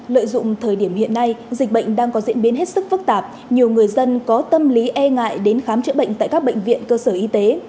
lợi dụng thời điểm hiện nay dịch bệnh đang có diễn biến hết sức phức tạp nhiều người dân có tâm lý e ngại đến khám chữa bệnh tại các bệnh viện cơ sở y tế